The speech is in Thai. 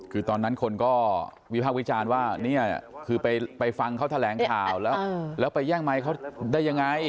คือตอนนั้นคนก็วิภาควิจารณ์ว่าเนี่ยคือไปฟังเขาแถลงข่าวแล้วไปแย่งไมค์เขาได้ยังไง